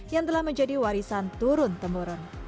yang telah menjadi warisan turun temurun